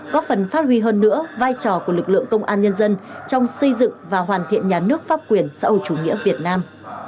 góp phần phát huy hơn nữa vai trò của lực lượng công an nhân dân trong xây dựng và hoàn thiện nhà nước pháp quyền xã hội chủ nghĩa việt nam